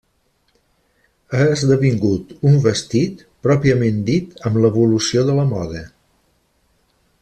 Ha esdevingut un vestit pròpiament dit amb l'evolució de la moda.